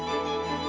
kau ngerti kan